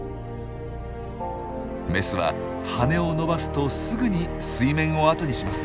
メスは羽を伸ばすとすぐに水面を後にします。